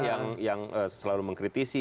yang selalu mengkritisi